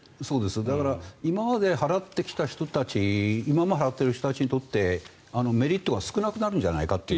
だから今まで払ってきた人たちにとってメリットが少なくなるんじゃないかという。